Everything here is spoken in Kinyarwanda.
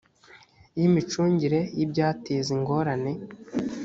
y imicungire y ibyateza ingorane